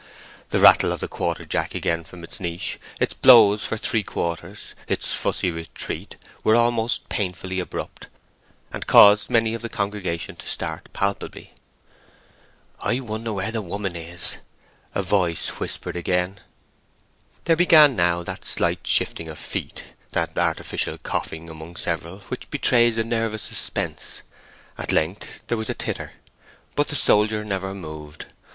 The rattle of the quarter jack again from its niche, its blows for three quarters, its fussy retreat, were almost painfully abrupt, and caused many of the congregation to start palpably. "I wonder where the woman is!" a voice whispered again. There began now that slight shifting of feet, that artificial coughing among several, which betrays a nervous suspense. At length there was a titter. But the soldier never moved.